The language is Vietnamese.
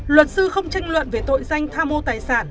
luật sư không tranh luận về tội danh tha mô tài sản